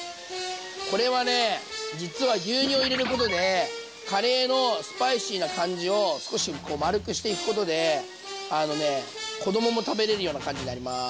これはね実は牛乳を入れることでカレーのスパイシーな感じを少し丸くしていくことで子供も食べれるような感じになります。